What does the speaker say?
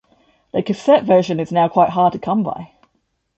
The cassette version is now quite hard to come by.